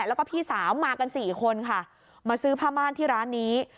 แล้วก็พี่สาวมากันสี่คนค่ะมาซื้อผ้าม่านที่ร้านนี้